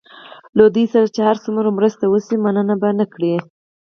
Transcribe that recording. له دوی سره چې هر څومره مرسته وشي مننه به ونه کړي.